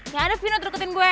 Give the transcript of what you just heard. yang ada vino terdeketin gue